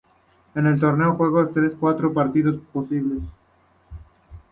En el torneo jugó tres de cuatro partidos posibles.